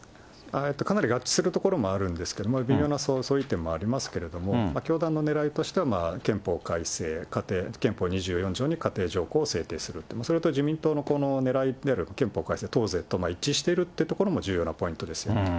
かなり合致するところもあるんですけど、微妙な相違点もありますけれども、教団のねらいとしては、憲法改正、憲法２４条に家庭条項を制定すると、それと自民党のねらいである憲法改正と党是としても一致してるというところも重要なポイントですよね。